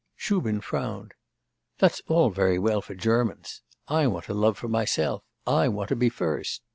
Shubin frowned. 'That's all very well for Germans; I want to love for myself; I want to be first.